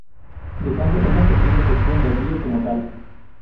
Dejando una pequeña sección del río como tal.